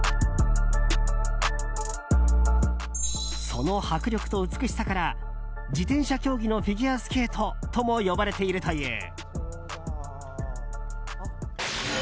その迫力と美しさから自転車競技のフィギュアスケートとも呼ばれているという。